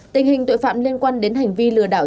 tình hình tội phạm liên quan đến hành vi lừa đảo